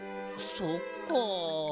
そっか。